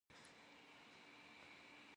Jjıgım pş'aşe pımıtme, zı khureş.